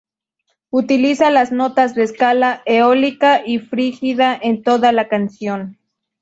Utiliza las notas de escala eólica y frigia en toda la canción.